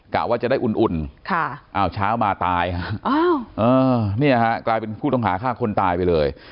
กะว่าจะได้อุ่นเช้ามาตายกลายเป็นผู้ต้องหาฆ่าคนตายไปเลย